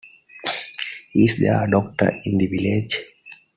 Is there a doctor in the village?